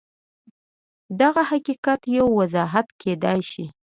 دغه حقیقت یو وضاحت کېدای شي